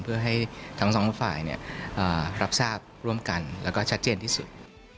เพื่อให้ทั้งสองฝ่ายรับทราบร่วมกันแล้วก็ชัดเจนที่สุด